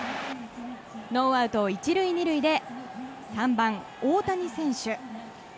ノーアウト１塁２塁で３番、大谷選手。